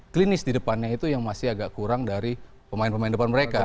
klinis di depannya itu yang masih agak kurang dari pemain pemain depan mereka